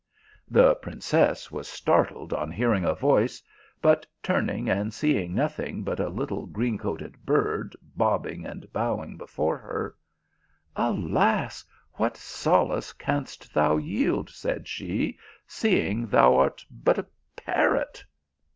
The princess was startled on hearing a voice, but turning and seeing nothing but a little green coated bird bobbing and bowing before her :" Alas ! what so; ace canst thou yield," said she, "seeing thou art but a parrot